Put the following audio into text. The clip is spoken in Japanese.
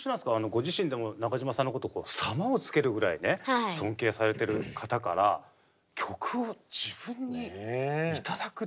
ご自身でも中島さんのこと「様」を付けるぐらい尊敬されてる方から曲を自分に頂くってどういう？